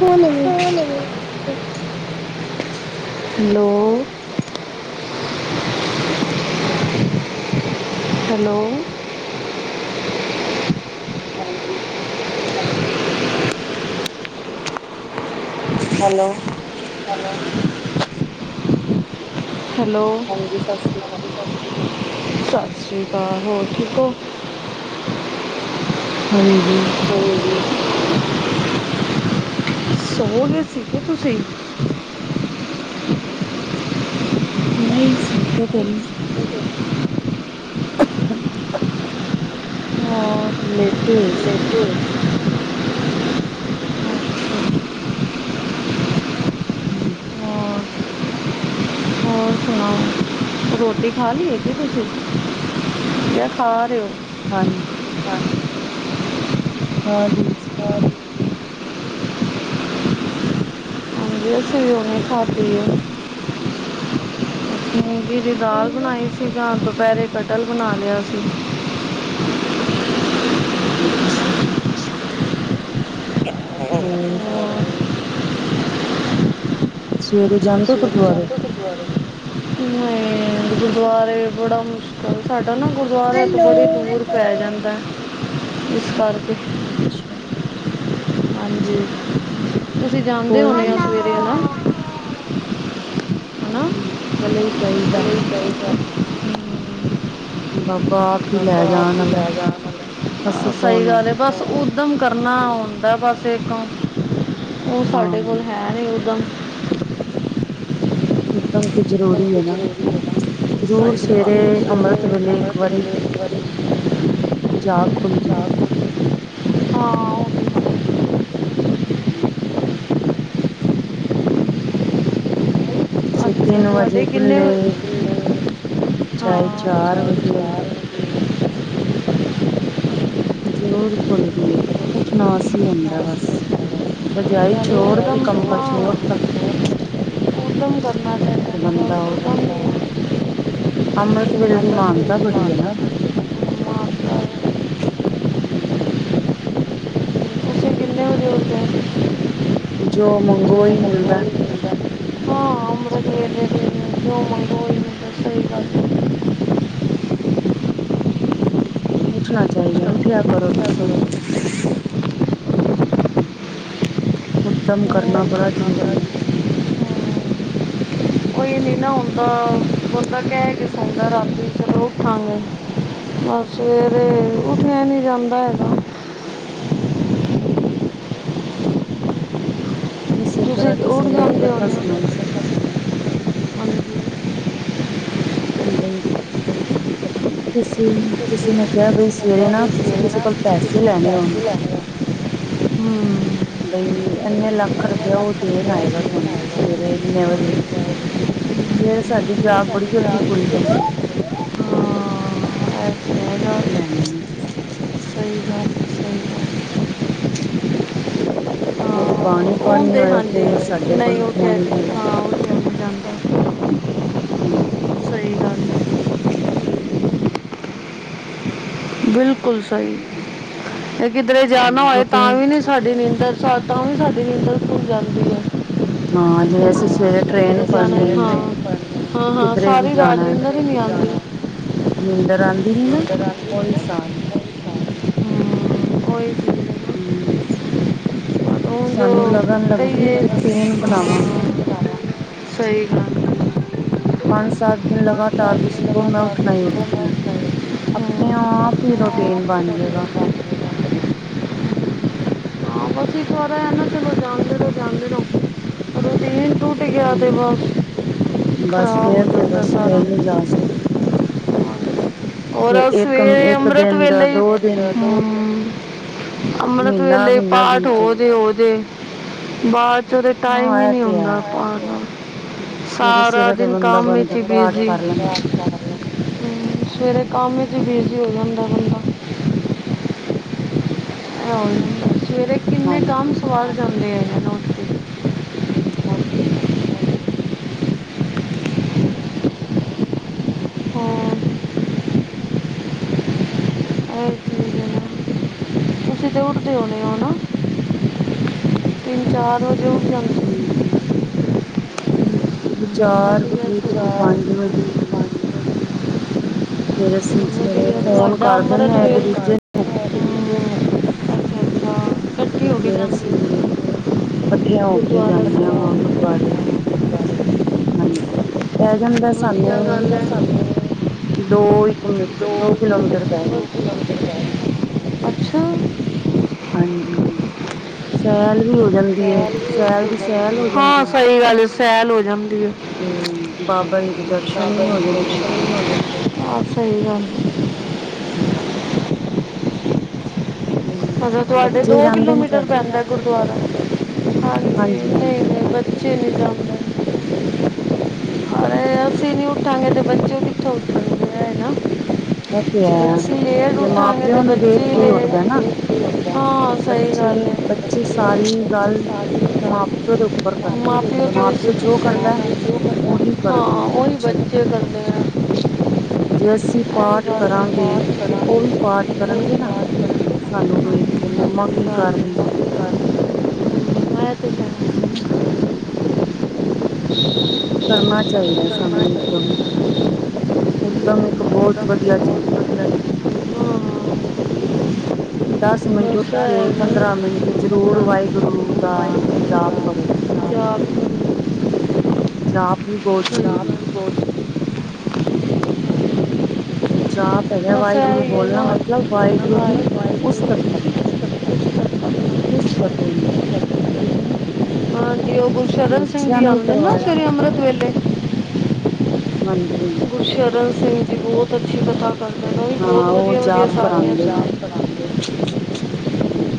ਹੋਣੀ hello. Hello. ਹਾਂਜੀ। Hello. [inaudible] Hello. ਹਾਂਜੀ ਸਤਿ ਸ਼੍ਰੀ ਅਕਾਲ। ਸਤਿ ਸ਼੍ਰੀ ਅਕਾਲ, ਹੋਰ ਠੀਕ ਔ? ਹੂੰ-ਹੂੰ। [unintelligible] ਸੋਗੇ ਸੀਗੇ ਤੁਸੀਂ? ਨ‌ਈ ਸੁੱਤੇ ਤੇ ਨੀ। [inaudible] ਹਾਂ। ਲੇਟੀ ਹੋਈ। [inaudible] [inaudible] ਹੂੰ। ਹੋਰ ਹੋਰ ਸੁਣਾਓ? ਰੋਟੀ ਖਾ ਲੀ ਐ ਕੀ ਤੁਸੀਂ ਜਾ ਖਾ ਰਹੇ ਓ? ਹਾਂਜੀ। ਖਾ ਲੀ। [unintelligible] ਅਸੀਂ ਵੀ ਹੁਣੇ ਈ ਖਾਦੀ ਐ। [unintelligible] ਦੀ ਦਾਲ ਸੀ। ਬਣਾਈ ਸੀ ਜਾਂ ਦੁਪਹਿਰੇ ਕਟਲ ਬਣਾ ਲਿਆ ਸੀ। ਅੱਛਾ। ਹੂੰ। ਹੋਰ ਸਵੇਰ ਜਾ ਸਵੇਰ ਜਾਂਦੇ ਤੁ ਨ‌ਈ ਗੁਰਦੁਆਰੇ ਬੜਾ ਮੁਸ਼ਕਲ ਸਾਡਾ ਨਾ ਗੁਰਦੁਆਰਾ ਤਾ ਬੜੀ ਹੈਲੋ ਦੂਰ ਪੈ ਜਾਂਦਾ, ਇਸ ਕਰਕੇ। ਅੱਛਾ ਹਾਂਜੀ, ਹੂੰ ਤੁਸੀਂ ਜਾਦੇ ਕੋਈ ਹੋਣੇ ਨੀ ਓ ਸਵੇਰੇ ਹਨਾ? ਹਨਾ ਹਾਂਜੀ, ਚਲੇ ਈ ਜਾਈਦਾ। [inaudible] ਬਾਬਾ ਹੀ ਲੈ ਬਾਬਾ ਆਪ ਜਾਣ ਹੀ ਆਲਾ ਲੈ ਜਾਣ ਅਸੀਂ ਆਲਾ, ਸਹੀ ਕੌਣ ਹੁਣ ਗੱਲ ਏ। ਬਸ ਉਦਮ ਕਰਨਾ ਹੁੰਦਾ ਬਸ ਇੱਕ, ਓ ਹਾਂ ਸਾਡੇ ਕੋਲ ਹੈ ਹੈਨੀ ਉੱਦਮ? [unintelligible] ਤੇ ਕੀਤਾ ਜ਼ਰੂਰੀ ਵੀ ਐ ਕੁਝ ਨਾ। ਜ਼ਰੂਰੀ ਹੈ ਨਾ ਜ਼ਰੂਰ ਸਹੀ ਗੱਲ ਉਹ ਸਵੇਰੇ ਅੰਮ੍ਰਿਤ ਸਵੇਰੇ ਵੇਲੇ ਇੱਕ ਅੰਮ੍ਰਿਤ ਵਾਰੀ [inaudible] ਜਾਗ ਖੁੱਲਦੀ। ਚਾਹ ਪੀਣੀ ਹਾਂ ਉਹ ਵੀ ਹੈ। ਚਹੇ ਅੱਛਾ ਤਿੰਨ ਵਜੇ ਤੁਹਾਡੇ ਕਿੰਨੇ ਖੁੱਲੇ, ਇੱਕ ਨੇ ਚਾਹੇ ਹਾਂ ਚਾਰ ਚਾਹ ਵਜੇ। ਚਾਹ ਜ਼ਰੂਰ ਖੁੱਲਦੀ ਏ, ਪੀਣੀ ਉੱਠਣਾ ਅਸੀਂ ਹੁੰਦਾ ਬਸ। ਰਜਾਈ ਛੋੜਤੀ, ਕੰਬਲ ਛੋੜਤਾ। ਤੇ ਬੰਦਾ ਉੱਠ ਅੰਮ੍ਰਿਤ ਵੇਲੇ ਦੀ ਮਾਨਤਾ ਬੜੀ ਐ ਨਾ। ਹੂੰ। ਜੋ ਮੰਗੋ ਓਈ ਮਿਲਦਾ। [unintelligible] ਹਾਂ ਅੰਮ੍ਰਿਤ ਵੇਲੇ ਦੋ ਮੰਗੋ ਓਹੀ ਮਿਲਦਾ, ਸਹੀ ਗੱਲ ਏ। ਉੱਠਣਾ ਚਾਈਦਾ, ਉੱਠਿਆ ਕਰੋ ਤੁਸੀਂ ਵੀ। ਉੱਦਮ ਕਰਨਾ ਬੜਾ ਜ਼ਰੂਰੀ ਏ। ਬੰਦਾ, ਬੰਦਾ ਕਹਿ ਕੇ ਸੌਦਾ ਰਾਤੀ ਜ਼ਰੂਰ ਉੱਠਾਂਗੇ। ਬਸ ਸਵੇਰੇ ਉੱਠਿਆ ਨੀ ਜਾਂਦਾ ਹੈਗਾ। ਏਸੇ ਤੁਸੀਂ ਤਰਾਂ ਕਿਸੇ ਜ਼ਰੂਰ ਨੇ ਜਾਂਦੇ ਹੋ ਕਥਾ ਨਾ ਸੁਣਾਈ ਸੀ। ਹਾਂਜੀ ਹੂੰ ਬ‌ਈ, ਕਿਸ ਕਿਸੇ ਨੇ ਕਿਹਾ ਬਈ ਹਾਂ ਸਵੇਰੇ ਨਾ ਤੁਸੀਂ ਕਿਸੇ ਕੋ ਪੈਸੇ ਲੈਣੇ ਹੋਣ ਹੂ ਬਈ ਇੰਨੇ ਲੱਖ ਰੁਪਇਆ ਉਹ ਦੇਣ ਆਏਗਾ ਤੁਹਾਨੂੰ ਸਵੇਰੇ ਇੰਨੇ ਵਜੇ ਸਵੇਰੇ ਸਾਡੀ ਜਾਗ ਇਹ ਬੜੀ ਜਲਦੀ ਖੁੱਲ ਜਾਂਦੀ। ਤਾਂ ਹੈਗਾ ਪਲੈਨਿੰਗ ਕੀਤੀ ਸੀ ਸਹੀ ਗੱਲ ਸਹੀ ਗੱਲ ਹੂ ਹਾਂ ਉਂਜ ਬਾਣੀ ਪੜ੍ਹਨੀ ਉਹਦੇ ਹੋਏ ਤੇ ਹਾਂਜੀ ਸਾਡੇ ਕੋਲ ਨਹੀਂ ਉਹ ਉੱਠਿਆ ਨੀ ਕਹਿ ਜਾਂਦਾ। ਹਾਂ ਉਹ ਨਹੀਂ ਜਾਂਦਾ ਹਾਂਜੀ। ਸਹੀ ਗੱਲ ਹੈ। ਬਿਲਕੁਲ ਸਹੀ, ਜੇ ਕਿਧਰੇ ਜਾਣਾ ਹੋਏ ਕਿਉਂਕਿ ਤਾਂ ਵੀ ਨੀ ਸਾਡੀ ਨੀਂਦਰ। ਸ ਤਾਂ ਵੀ ਸਾਡੀ ਹਿੰਦਰ ਖੁਲ ਜਾਂਦੀ। ਹਾਂ ਜਿਵੇਂ ਅਸੀਂ ਸਵੇਰੇ ਟ੍ਰੇਨ ਕਿਦਰੇ ਜਾਣਾ ਫੜਨੀ ਹਾਂ ਹਾਂ ਹਾਂ ਕਿਧਰੇ ਵੀ ਸਾਰੀ ਰਾਤ ਜਾਣਾ ਨਿੰਦਰ ਵੀ ਨੀ ਆਉਂਦੀ। ਨੀਂਦਰ ਆਉਂਦੀ ਨੀ ਨਾ ਹਮ, ਔ ਹਿਸਾਬ ਐ ਕੋਈ ਹੂ ਹੁਣ ਜੋ ਸਾਨੂੰ ਲਗਨ ਲੱਗਦੀ ਹੈ, ਕਹੀਏ ਜੇ ਹਾਂ, ਰੂਟੀਨ ਬਣਾਵਾਂਗੇ ਤੇ ਸਹੀ ਗਲ ਪੰਜ ਸੱਤ ਦਿਨ ਲਗਾਤਾਰ ਤੁਸੀਂ ਕਹੋ ਮੈਂ ਉੱਠਣਾ ਈ ਉੱਠਣਾ ਅੱਛਾ, ਆਪਣੇ ਆਪ ਹੀ ਰੂਟੀਨ ਬਣ ਜਾਏਗਾ। ਹਮ, ਠੀਕਾ ਨਾ ਚਲੋ ਜਾਹਦੇ ਤੋ ਜਾਹਦੇ ਰੋ, ਇੰਨੀ। ਉ ਗਿਆ ਤੇ ਹੂੰ, ਬਾਅਦ ਬਸ ਖ਼ਰਾਬ ਹੋ ਫੇਰ ਤੇ ਜਾਂਦਾ ਬਸ ਫੇਰ ਸਾਰਾ। ਨੀ ਜਾ ਸਕਦੀ। ਹੋਰ ਫਿਰ ਇੱਕ, ਸਵੇਰੇ ਇੱਕ ਅੰਮ੍ਰਿਤ ਦਿਨ ਦਾ ਵੇਲੇ ਹੀ, ਦੋ ਦਿਨ ਹੂ। ਅੰਮ੍ਰਿਤ ਮਹੀਨਾ, ਵੇਲੇ ਮਹੀਨਾ ਪਾਠ ਬੀਤ ਹੋ ਜੇ, ਜਾਂਦਾ। ਹੋ ਜੇ ਬਾਦ ਸਵੇਰੇ ਟਾਈਮ ਹੀ ਹਾਂ ਇਹ ਨਹੀਂ ਤੇ ਆਉਂਦਾ ਹੈ। ਪਾ ਸਵੇਰੇ, ਸਾਰਾ ਸਵੇਰੇ ਤੇ ਦਿਨ ਬੰਦਾ, ਕੰਮ ਹੀ ਇਚ ਬੰਦਾ ਈ ਪਾਠ ਬਿਜੀ। ਕਰ ਲੈਂਦਾ। ਹੂ ਸਵੇਰੇ ਕੰਮ ਇਚ ਈ ਬਿਜੀ ਹੋ ਜਾਂਦਾ ਬੰਦਾ। ਹ ਸਵੇਰੇ ਕਿੰਨੇ ਕੰਮ ਹਾਂਜੀ, ਸਵਾਰ ਜਾਂਦੇ ਹੈ ਜੀ। ਅੱਛਾ। ਹਾਂ। ਹਾਂਜੀ ਤੁਸੀਂ ਦੇ ਉਠਦੇ ਹੋਉਣੇ ਹੋ ਨਾ। ਤਿੰਨ ਚਾਰ ਵਜੇ ਉੱਠ ਜਾ ਹਾਂਜੀ ਕਦੇ ਚਾਰ ਵਧੀਆ ਵਜੇ ਕਦੇ ਸੁਧਾਰ ਪੰਜ ਵਜੇ ਫੇਰ ਅਸੀਂ ਸਵੇਰੇ ਫੋਨ ਕਰ ਦਿੰਨੇ ਆਂ ਇੱਕ ਦੂਜੇ ਨੂੰ। ਦਤਾ ਸ ਤੋਂ [inaudible] ਤੇ ਫੇਰ ਅਸੀਂ ਕੱਠੀਆਂ ਹੋ ਕੇ ਗੁਰਦੁਆਰਾ ਜਾਂਨਿਆਂ ਵਾ ਸਾਹਿਬ। ਗੁਰਦੁਆਰੇ। ਹਾਂਜੀ ਪੈ ਜਾਂਦਾ ਵਧੀਆ ਸਾਨੂੰ ਗੱਲ ਹੈ ਦੋ ਇੱਕ ਮ ਦੋ ਕਿਲੋਮੀਟਰ ਪੈ ਜਾਂਦੇ। ਅੱਛਾ। ਹਾਂਜੀ ਸੈਲ ਵੀ ਹੋ ਜਾਂਦੀ ਐ, ਸੈਲ ਦੀ ਸੈਲ ਹੋ ਹਾਂ ਜਾਂਦੀ ਐ ਸਹੀ ਗੱਲ ਹੈ ਸੈਲ ਹੋ ਜਾਂਦੀ ਆ। ਤੇ ਬਾਬਾ ਜੀ ਦੇ ਦਰਸ਼ਨ ਵੀ ਹੋ ਜਾਂਦੇ ਨੇ ਆ ਸਹੀ ਗੱਲ ਏ ਹਮ ਮਤਲਬ ਤੁਹਾਡੇ ਦੋ ਬੱਚੇ ਜਾਂਦੇ ਨੇ ਕਿਲੋਮੀਟਰ ਤੁਹਾਡੇ ਪੈਂਦਾ ਗੁਰਦੁਆਰਾ। ਹਾਂਜੀ ਨਹੀਂ ਨਹੀਂ ਬੱਚੇ ਨਹੀਂ ਜਾਦੇ। ਹੂ ਪਰ ਅਸੀਂ ਨਹੀਂ ਉੱਠਾਂਗੇ ਤਾਂ ਬੱਚੇ ਕਿੱਥੋਂ ਉੱਠਣ ਚੰਗਾ ਹੈ ਨਾ। ਓ ਤੇ ਜੇ ਹੈ ਅਸੀਂ ਲੇਟ ਜੇ ਮਾਂ ਉੱਠਾਂਗੇ ਤੇ ਪਿਓ ਨੂੰ ਬੱਚੇ ਵੇਖ ਕੇ ਹੀ ਉੱਠਦਾ ਨਾ ਲੇਟ ਹਾਂ ਸਹੀ ਬੱਚੇ ਗੱਲ ਹੈ ਬੱਚੇ ਸਾਰੀ ਗੱਲ ਮਾਂ ਪਿਓ ਦੇ ਉੱਪਰ ਕਰਦੇ ਨੇ ਪਿਓ ਤੋਂ ਮਾਂ ਹੀ ਪਿਓ ਸਿੱਖ ਜੋ ਕਰਦਾ ਸਹੀ ਗੱਲ ਉਹੀ ਹਾਂ ਕਰਦੇ ਨੇ ਉਹੀ ਬੱਚੇ ਕਰਦੇ ਆ ਜੇ ਅਸੀਂ ਕੋਈ ਪਾਠ ਗੱਲ ਨੀ ਕਰਾਂਗੇ ਬਾਅਦ ਚ ਤੇ ਉਹ ਵੀ ਕਰਾਂਗੇ ਪਾਠ ਕਰਨਗੇ ਕੋਈ ਨਾ ਬਾਤ ਕਰਾਂਗੇ ਸਾਨੂੰ ਹੀ ਕੇ ਮੰਮਾ ਕੋਈ ਕੀ ਗੱਲ ਕਰ ਰਹੀ ਹੈ। ਇਹ ਤੇ ਹੈ। ਠੀਕ ਹੈ ਨਾ? [inaudible] ਕਰਨਾ ਚਾਹੀਦਾ ਸਾਨੂੰ ਉੱਦਮ ਉੱਦਮ ਇੱਕ ਕਰਨਾ ਚਾਹੀਦਾ ਬਹੁਤ ਤਾਂ ਮੈਨੂੰ ਵਧੀਆ ਬਹੁਤ ਚੀਜ਼ ਹੈ। ਵਧੀਆ ਲੱਗਿਆ ਦਸ ਮਿੰਟ ਉੱਠ ਬਸ ਕੇ ਹੈਗਾ ਪੰਦਰਾਂ ਮਿੰਟ ਜ਼ਰੂਰ ਜੋਬ ਵਾਹਿਗੁਰੂ ਦਾ ਜਾਪ ਕਰੋ। ਜਾਪ ਹੀ [unintelligible] ਜਾਪ ਵੀ ਬਹੁਤ ਜ਼ਰੂਰੀ ਹੈ। ਹੋਰ ਜਾਪ ਹੈਗਾ ਵਾਹਿਗੁਰੂ ਬੋਲਣਾ ਮਤਲਬ ਨਾ ਵਾਹਿਗੁਰੂ ਦੀ ਵਾਹਿਗੁਰੂ ਉਸਤਤ ਕਰਨਾ। [unintelligible] ਠੀਕ ਹੈ ਨਾ ਹਾਂਜੀ ਉਹ ਗੁਰੂ ਸ਼ਰਨ ਸਿੰਘ ਬੱਚਿਆਂ ਜੀ ਨੂੰ ਵੀ ਆਉਂਦੇ ਨੇ ਨਾ ਕਰਵਾਇਆ ਸਵੇਰੇ ਅੰਮ੍ਰਿਤ ਵੇਲੇ ਹਾਂਜੀ ਹਾਂਜੀ ਸ਼ਰਨ ਸਿੰਘ ਜੀ ਬਹੁਤ ਅੱਛੀ ਕਥਾ ਕਰਦੇ ਬਹੁਤ ਹਾਂ ਬਹੁਤ ਉਹ ਵਧੀਆ ਵਧੀਆ ਜਾਪ ਸਾਖੀਆਂ ਪੜਾਉਂਦੇ ਹੂੰ,,,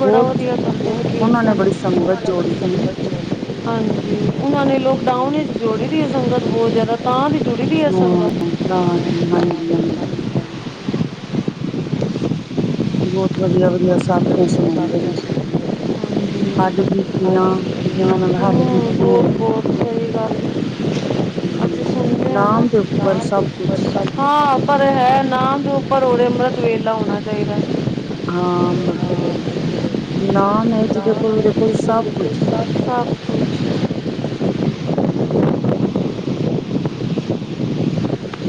ਬੜਾ ਬਹੁਤ ਵਧੀਆ ਕਰਦੇ ਉਹਨਾਂ ਨੇ ਕੀਰਤਨ ਬੜੀ ਉਹਨਾਂ ਸੰਗਤ ਨੇ ਬੜੀ ਜੋੜੀ ਦੀ‌ ਏ। ਸੰਗਤ ਨੂੰ ਹਾਂਜੀ ਉਹਨਾਂ ਨੇ ਲੋਕਡਾਊਨ ਵਿੱਚ ਜੋੜੀ ਦੀ ਹੈ ਸੰਗਤ ਬਹੁਤ ਜ਼ਿਆਦਾ ਤਾਂ ਜੁੜੀ ਦੀ ਹਾਂ ਸੰਗਤ। ਤਾਂ ਹਾਂਜੀ ਹਾਂਜੀ। ਬਹੁਤ ਵਧੀਆ ਵਧੀਆ ਸਾਖੀਆਂ ਸੁਣਾਉਂਦੇ ਨੇ। ਹੱਡ ਬੀਤੀਆਂ ਹਾਂਜੀ ਜਿਨਾਂ ਨਾਲ ਹੱਡ ਹੂੰ ਬੀਤੀ ਬਹੁਤ ਹੈ। ਬਹੁਤ ਸਹੀ ਗੱਲ ਅਸੀਂ ਹੂੰ ਨਾਮ ਦੇ ਉੱਪਰ ਸਭ ਕੁਛ। ਤਥਾ ਪਰ ਹੈ ਨਾਮ ਦੇ ਉੱਪਰ ਅੰਮ੍ਰਿਤ ਵੇਲਾ ਹੋਣਾ ਚਾਹੀਦਾ। ਹਾਂ ਅਮ੍ਰਿਤ ਵੇਹਲਾ ਨਾਮ ਹੈ ਜਿਹਦੇ ਨਾਮ ਕੋਲ ਹੈ ਉਹਦੇ ਕੋਲ ਕਿ ਸਭ ਗੁਰੂ ਕੁਛ ਹੈ ਸਾਹਿਬ ਸਭ ਕੁਛ। ਹੂੰ।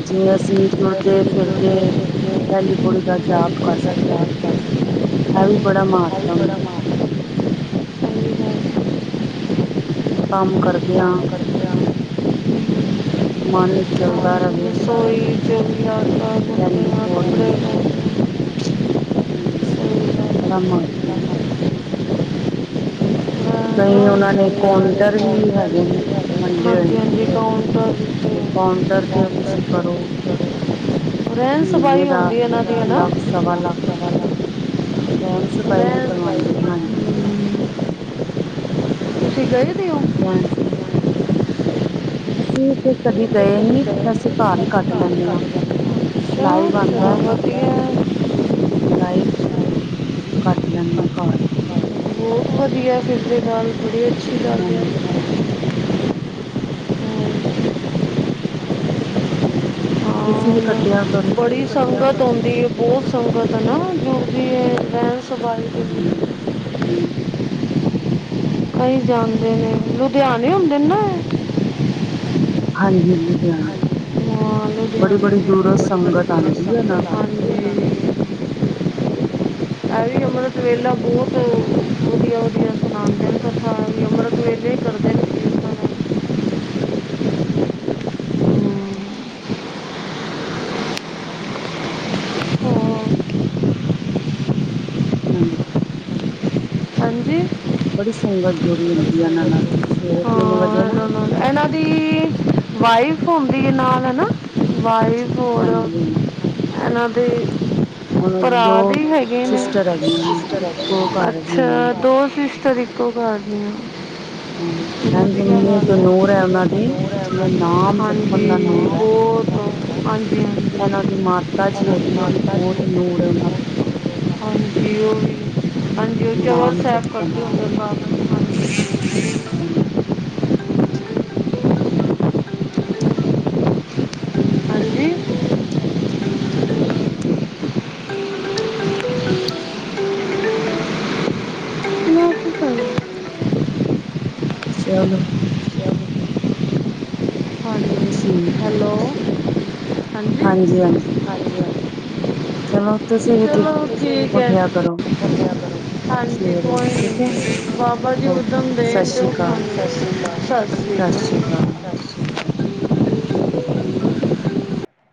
ਜੇ ਅਸੀਂ ਦੇ ਤੁਰਦੇ ਅਸੀਂ ਜੋ ਫਿਰਦੇ ਜੋ ਸਿੱਖੇ ਪਹਿਲੀ [unintelligible] ਹਰੀ ਜਾਪ ਗੁਰੂ ਕਰ ਦਾ ਸਕਦੀ ਗਿਆਨ ਕਰਦੇ ਹਾਂ ਇਹ ਵੀ ਬੜਾ ਹਾਂ ਵੀ ਮਹੱਤਮ ਬੜਾ ਹੈ। ਮਾਣ ਕੰਮ ਕਰਦੇ ਆਂ ਕੰਮ ਕਰਦੇ ਹਾਂ ਮਨ ਚੱਲਦਾ ਰਵੇ ਗੰਦੀਆਂ ਆਦਤਾਂ ਪਹਿਲੀ ਪੌੜੀ ਹੂੰ ਸਹੀ ਗੱਲ ਬੜਾ ਹੈ। ਇੰਨਾ ਮਹੱਤਵਪੂਰਨ ਮਾਣ ਮੈਂ ਕਈ ਉਹਨਾਂ ਨੇ ਉਹਨਾਂ ਦੇ ਕਾਊਂਟਰ ਹੀ ਕਾਊਂਟਰ ਹੈਗੇ ਵੀ ਨੇ ਨਾ ਵੰਡੇ ਹੋਏ ਹਾਂਜੀ ਨੇ ਹਾਂਜੀ ਕਾਊਂਟਰ ਹੀ ਕਾਊਂਟਰ ਤੇ ਤੁਸੀਂ ਕਰੋ। ਜਿਹੜੇ ਰਹਿਣ ਸਬਾਈ ਮਹੀਨੇ ਦਾ ਹੁੰਦੀ ਇਹਨਾਂ ਦੀ ਹੈ ਇੱਕ ਨਾ ਲੱਖ ਸਵਾ ਲੱਖ ਸਵਾ ਰਹਿਣ ਸਫਾਈ ਵੀ ਰਹਿਣ ਪਈ ਕਰਵਾਉਂਦੇ ਨੇ ਹਾਂਜੀ। ਤੁਸੀਂ ਗਏ ਦੇ ਹੋ [unintelligible] ਇਹ ਅਸੀਂ ਤੇ ਕਦੀ ਗਏ ਕਦੇ ਨੀ, ਅਸੀਂ ਨਹੀਂ ਘਰ ਹੀ ਬਸ ਕੱਟ ਘਰ ਲੈਂਨੇ ਆ। ਕੱਢ ਜਾਂਦੇ ਹਾਂ। ਲਾਈਵ ਅੱਛਾ ਚਲੋ ਆਉਂਦਾ ਵਧੀਆ ਹਾਂ ਲਾਈਵ ਕੱਟ ਲੈਂਦੇ ਆ ਘਰ ਬਹੁਤ ਵਧੀਆ, ਫਿਰ ਦੇ ਨਾਲ ਬੜੀ ਅੱਛੀ ਗੱਲ ਹੈ ਹਾਂਜੀ। ਹੂੰ, ਤੁਸੀਂ ਵੀ ਕੱਟਿਆ ਕਰੋ। ਹਾਂ ਬੜੀ ਸੰਗਤ ਆਉਂਦੀ ਹੈ ਬਹੁਤ ਸੰਗਤ ਨਾ ਹੁੰਦੀ ਹੈ ਰਹਿਣ ਸਬਾਈ। ਦੇ ਵੀ [unintelligible] ਕਈ ਜਾਂਦੇ ਨੇ, ਲੁਧਿਆਣੇ ਹੁੰਦੇ ਨੇ ਨਾ ਇਹ? ਹਾਂਜੀ ਜੀ, ਇਹ ਲੁਧਿਆਣੇ ਹਾਂਜੀ ਹਾਂ ਬੜੀ ਲੁਧਿਆਣੇ ਬੜੀ ਦੂਰੋਂ ਦੇ ਬੜੀ ਬੜੀ ਸੰਗਤ ਦੂਰੋਂ ਆਉਂਦੀ ਹੈ ਇਹਨਾਂ ਸੰਗਤ ਕੋਲ। ਆਉਂਦੀ ਹੈ ਇਹ ਵੀ ਅੰਮ੍ਰਿਤ ਵੇਲਾ ਬਹੁਤ ਵਦੀਆ-ਵਦੀਆ ਸੁਣਾਉਂਦੇ ਨੇ ਕਥਾ ਵੀ ਅੰਮ੍ਰਿਤ ਸਵੇਰੇ ਹੀ ਹਾਂਜੀ ਕਰਦੇ ਨੇ ਉਹਨਾਂ [unintelligible] ਨੂੰ। ਹਾਂ ਹਾਂਜੀ। ਹਾਂਜੀ? ਬੜੀ ਸੰਗਤ ਜੋੜੀ ਹੁੰਦੀ ਆ ਇਹਨਾਂ ਨਾਲ ਸਵੇਰੇ ਤਿੰਨ ਹਾਂ ਵਜੇ ਨਾ। ਇਹਨਾਂ ਨਾਲ ਇਹਨਾਂ ਦੀ ਵਾਈਫ ਹੁੰਦੀ ਹੈ ਨਾਲ ਹਨਾਂ? ਵਾਈਫ ਹੋਰ ਹਾਂਜੀ-ਹਾਂਜੀ। [unintelligible] ਦੀ ਦੋ ਭਰਾ ਵੀ ਹੈਗੇ ਨੇ, ਸਿਸਟਰ ਹੈਗੀਆਂ ਨੇ ਇੱਕੋ ਘਰ ਦੀਆਂ ਅੱਛਾ ਦੋ ਸਿਸਟਰ [inaudible] ਕਰਦੀ ਹਾਂ। ਹੂੰ, ਇੰਝ ਮੂੰਹ ਤੇ ਨੂਰ ਹੈ ਉਹਨਾਂ ਦੇ ਨੂਰ ਹੈ ਉਹਨਾਂ ਜਿਵੇਂ ਦੀ ਨਾਮ ਜਪਣ ਹਾਂਜੀ ਦਾ ਨੂਰ ਐ। [unintelligible] ਹਾਂਜੀ, ਹਾਂਜੀ। ਇਹਨਾਂ ਦੀ ਮਾਤਾ ਜੀ ਉਹਨਾਂ ਦੀ ਹੈਗੀ ਉਹ ਵੀ ਮਾਤਾ ਜੀ ਬਹੁਤ ਨੂਰ ਹੈਗੇ ਉਹਨਾਂ ਦੇ। ਹਾਂਜੀ, ਉਹ ਵੀ ਹਾਂਜੀ ਉਹ ਚੋਰ ਨਾਮ ਸਾਹਿਬ ਜਪਣ ਕਰਦੇ ਹੁੰਦੇ ਹਨ। [unintelligible] ਹੂੰ। ਹਾਂਜੀ ਹਾਂਜੀ ਹਾਂਜੀ ਚਲੋ। ਠੀਕ ਐ। ਹੈਲੋ ਹਾਂਜੀ ਹਾਂਜੀ ਹਾਂਜੀ-ਹਾਂਜੀ, ਹਾਂਜੀ ਚਲੋ ਤੁਸੀਂ ਵੀ ਠੀਕ ਚਲੋ ਠੀਕ ਹੈ ਉੱਠਿਆ ਕਰੋ। ਚੱਲਿਆ ਕਰੋ ਹਾਂਜੀ, ਸਵੇਰੇ ਠੀਕ ਹੈ ਬਾਬਾ ਜੀ [unintelligible] ਓਕੇ ਸ਼੍ਰੀ ਸਤਿ ਸ਼੍ਰੀ ਅਕਾਲ। ਹਾਂ।